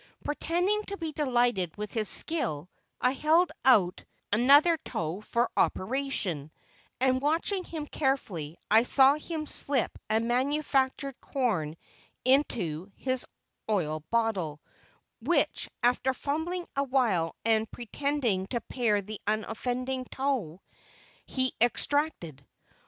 Pretending to be delighted with his skill, I held out another toe for "operation," and watching him carefully I saw him slip a manufactured corn into his oil bottle, which, after fumbling awhile and pretending to pare the unoffending toe, he "extracted."